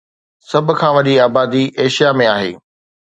سڀ کان وڏي آبادي ايشيا ۾ آهي